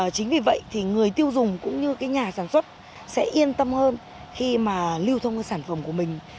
chính vì vậy người tiêu dùng cũng như nhà sản xuất sẽ yên tâm hơn khi lưu thông sản phẩm của mình